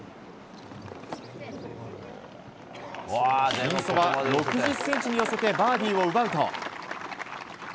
ピンそば６０ｃｍに寄せてバーディーを奪うと。